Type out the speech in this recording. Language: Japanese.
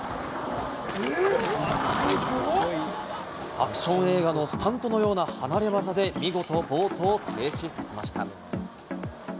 アクション映画のスタントのような離れ技で見事、ボートを停止させました。